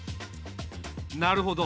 なるほど。